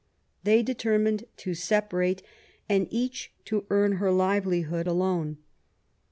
They determined to separate^ and each to earn her livelihood alone.